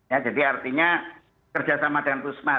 ya jadi artinya kerja sama dengan pusma